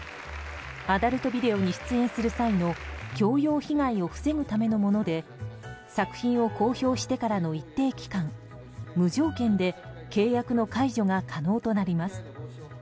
アダルトビデオに出演する際の強要被害を防ぐためのもので作品を公表してからの一定期間無条件で契約の解除が可能となります。